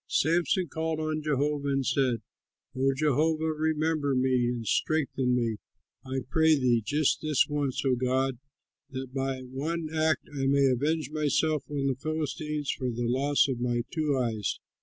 Samson called on Jehovah and said, "O Jehovah, remember me and strengthen me, I pray thee, just this once, O God, that by one act I may avenge myself on the Philistines for the loss of my two eyes."